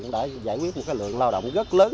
đã giải quyết một lượng lao động rất lớn